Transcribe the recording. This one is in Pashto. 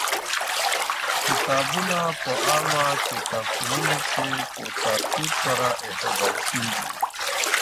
کتابونه په عامه کتابتونونو کي په ترتيب سره ايښودل کېږي.